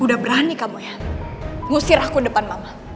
udah berani kamu ya ngusir aku depan mama